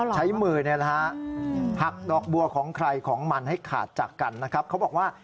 ใช้มือหักดอกบัวของใครของมันให้ขาดจากกันนะครับเขาบอกว่า